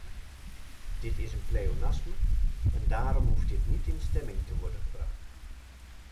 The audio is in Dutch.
Dit is een pleonasme en daarom hoeft dit niet in stemming te worden gebracht.